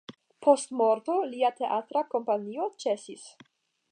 Post morto lia teatra kompanio ĉesis.